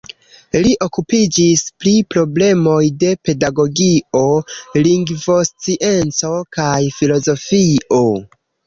Li okupiĝis pri problemoj de pedagogio, lingvoscienco kaj filozofio.